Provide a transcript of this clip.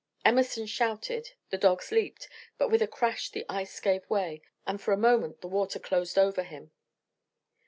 Emerson shouted, the dogs leaped, but with a crash the ice gave way, and for a moment the water closed over him.